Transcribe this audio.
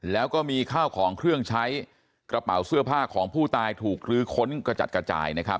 แล้วก็มีข้าวของเครื่องใช้กระเป๋าเสื้อผ้าของผู้ตายถูกลื้อค้นกระจัดกระจายนะครับ